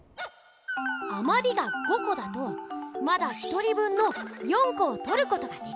あまりが５こだとまだ１人分の４こをとることができる！